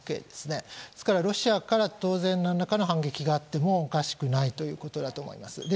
ですからロシアから当然何らかの反撃があってもおかしくないと思います。